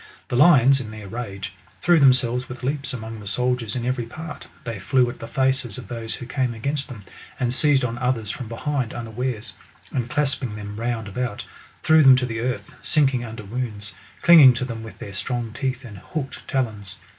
The lions, in their rage, threw themselves with leaps among the soldiers in every part ; they flew at the faces of those who came against them, and seized on others from behind unawares, and, clasping them round about, threw them to the earth sinking under wounds, clinging to them with their strong teeth and hooked talons.